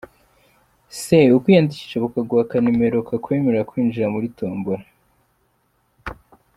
C ukiyandisha bakaguha akanimero kakwemerera kwinjira muri tombola.